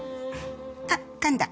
あっかんだ。